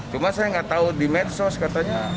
cuma saya nggak tahu di medsos katanya